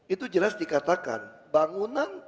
itu jelas dikatakan bangunan